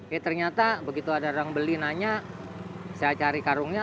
ya ternyata begitu ada orang beli nanya saya cari karungnya